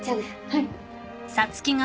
はい。